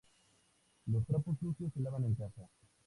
Los trapos sucios se lavan en casa